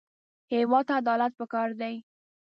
هېواد ته عدالت پکار دی